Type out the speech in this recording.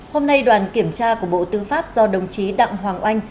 hôm nay đoàn kiểm tra của bộ tư pháp do đồng chí đặng hoàng oanh